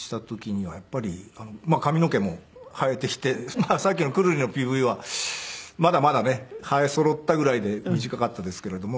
まあさっきのくるりのＰＶはまだまだね生えそろったぐらいで短かったですけれども。